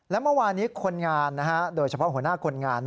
และเมื่อวานี้คนงานโดยเฉพาะหัวหน้าคนงาน